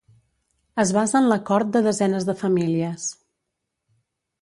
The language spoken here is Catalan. Es basa en l'acord de desenes de famílies.